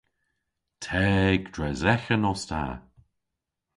Teg dres eghen os ta.